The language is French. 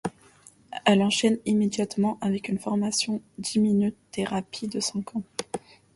Elle enchaîne immédiatement avec une formation d'immunothérapie de cinq ans.